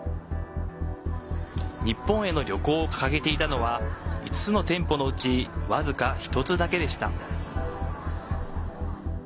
日本への旅行を掲げていたのは５つの店舗のうち僅か１つだけでした。